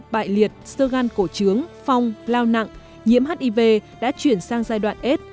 bại liệt sơ gan cổ trướng phong lao nặng nhiễm hiv đã chuyển sang giai đoạn s